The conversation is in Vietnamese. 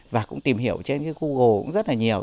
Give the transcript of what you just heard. và cũng tìm hiểu trên google rất là nhiều